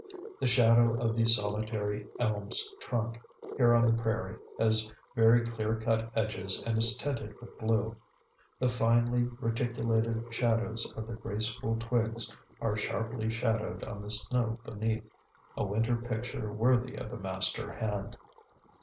The shadow of the solitary elm's trunk, here on the prairie, has very clear cut edges and is tinted with blue. The finely reticulated shadows of the graceful twigs are sharply shadowed on the snow beneath, a winter picture worthy of a master hand.